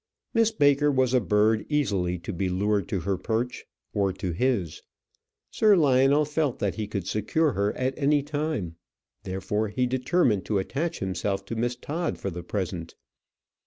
Miss Baker was a bird easily to be lured to her perch, or to his. Sir Lionel felt that he could secure her at any time. Therefore, he determined to attach himself to Miss Todd for the present.